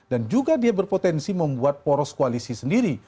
dan juga dia berpotensi membuat poros koalisi sendiri